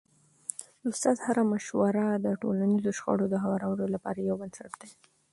د استاد هره مشوره د ټولنیزو شخړو د هوارولو لپاره یو بنسټ دی.